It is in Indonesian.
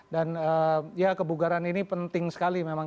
dan ya kebugaran ini penting sekali memang